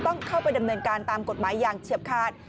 ต้องเข้าไปดำเนินการตามกฎหมายอย่างเฉียบขาด